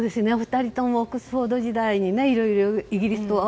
２人ともオックスフォード時代にいろいろイギリスで。